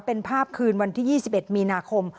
เป็นภาพคืนวันที่๒๑มีนาคม